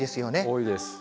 多いです。